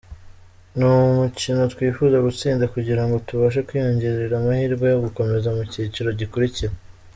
Ni umukino twifuza gutsinda kugira ngo tubashe kwiyongerera amahirwe yo gukomeza mu cyiciro gikurikira.